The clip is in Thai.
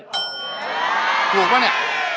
ถูกหรือเปล่าฮะฮะ